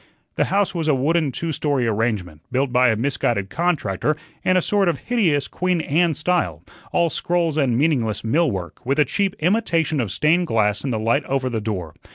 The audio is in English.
The house was a wooden two story arrangement, built by a misguided contractor in a sort of hideous Queen Anne style, all scrolls and meaningless mill work, with a cheap imitation of stained glass in the light over the door.